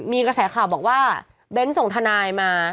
มีกระแสข่าวบอกว่าเบ้นส่งทนายมา